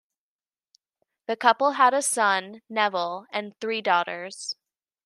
The couple had a son, Neville, and three daughters.